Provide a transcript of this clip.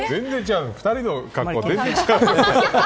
２人の格好が、全然違う。